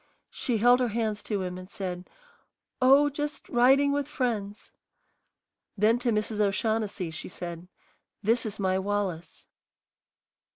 She held her hands to him and said, "Oh, just riding with friends." Then to Mrs. O'Shaughnessy she said, "This is my Wallace."